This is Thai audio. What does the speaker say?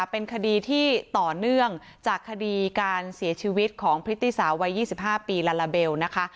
เป็นคดีที่ต่อเนื่องจากคดีการเสียชีวิตของพริตตี้สาววัย๒๕ปีลาลาเบลนะคะ